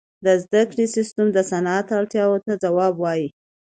• د زدهکړې سیستم د صنعت اړتیاو ته ځواب وویل.